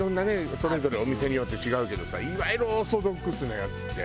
それぞれお店によって違うけどさいわゆるオーソドックスなやつって。